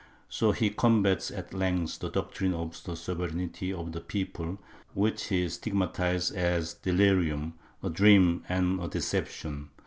So he combats at length the doctrine of the sovereignty of the people, which he stigmatizes as a delirium, a dream and a deception.